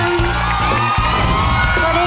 เกมรับจำนำ